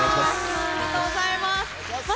ありがとうございます。